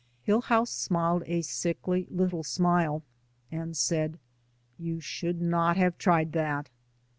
Hillhouse smiled a sickly little smile, and said, "You should not have tried that."